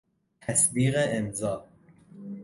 تصدیق امضا